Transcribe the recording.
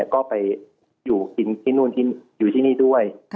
ก็ไปอยู่กินที่นู่นอยู่ที่นี่ด้วย